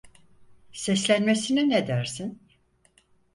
Seslenmesine ne dersin?